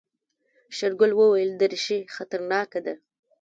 شېرګل وويل دريشي خطرناکه ده.